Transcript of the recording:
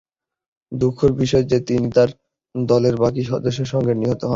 দুঃখের বিষয় যে, তিনি তার দলের বাকি সদস্যদের সঙ্গে নিহত হন।